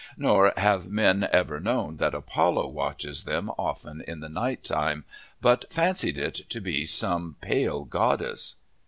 Nor have men ever known that Apollo watches them often in the night time, but fancied it to be some pale goddess."